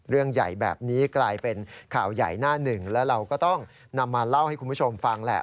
เรื่องใหญ่แบบนี้กลายเป็นข่าวใหญ่หน้าหนึ่งแล้วเราก็ต้องนำมาเล่าให้คุณผู้ชมฟังแหละ